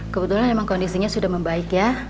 kebetulan memang kondisinya sudah membaik ya